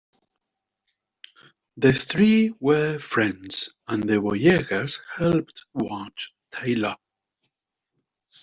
The three were friends and the Boyegas helped watch Taylor.